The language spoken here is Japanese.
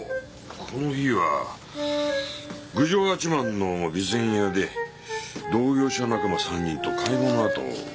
この日は郡上八幡の備前屋で同業者仲間３人と会合の後飲んでましたよ。